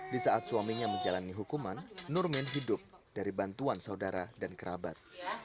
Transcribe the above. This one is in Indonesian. di saat suaminya menjalani hukuman nurmin hidup dari bantuan saudara dan kerabat